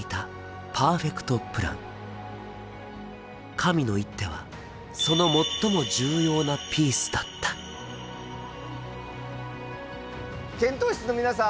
神の一手はその最も重要なピースだった検討室の皆さん。